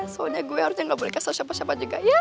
soalnya gue harusnya nggak boleh kasih tahu siapa siapa juga ya